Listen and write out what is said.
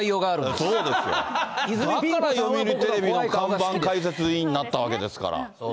それで読売テレビ解説委員になったわけですから。